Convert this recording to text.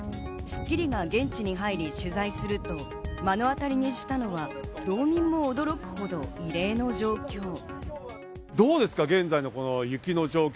『スッキリ』が現地に入り取材すると、目の当たりにしたのは道民も驚くほど異例の状況。